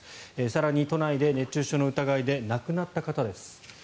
更に、都内で熱中症の疑いで亡くなった方です。